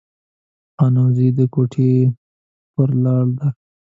خانوزۍ د کوټي پر لار ده